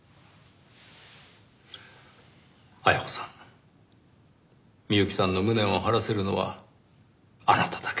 絢子さん美由紀さんの無念を晴らせるのはあなただけです。